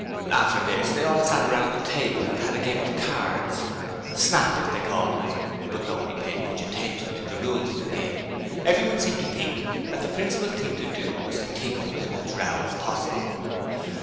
After this they all sat round the table and had a game of cards; 'Snap', they called it, but nobody paid much attention to the rules of the game: everyone seemed to think that the principal thing to do was to kick up as much row as possible.